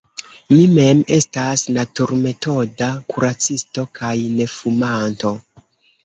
Mi mem estas naturmetoda kuracisto kaj nefumanto.